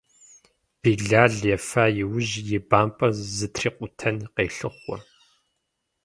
Билал ефа иужь и бампӏэр зытрикъутэн къелъыхъуэ.